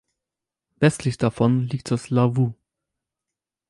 Westlich davon liegt das Lavaux.